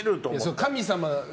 神様。